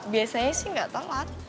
biasanya sih nggak tau lah